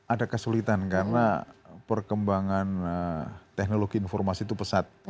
ada kesulitan karena perkembangan teknologi informasi itu pesat